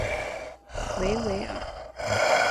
维维尔。